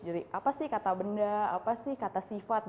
jadi apa sih kata benda apa sih kata sifat